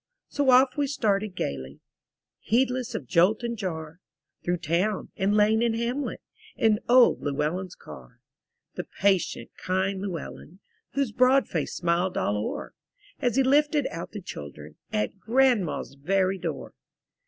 So off we started gaily, Heedless of jolt and jar; Through town, and lane, and hamlet. In old Llewellyn's car. 142 THROUGH FAIRY HALLS '^m, The patient, kind Llewellyn — Whose broad face smiled all o'er, As he lifted out the children At Grandma's very door.